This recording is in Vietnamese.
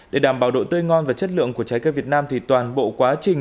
để đảm bảo độ tươi ngon và chất lượng của trái cây việt nam thì toàn bộ quá trình